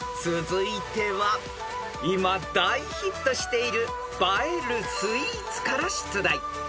［続いては今大ヒットしている映えるスイーツから出題］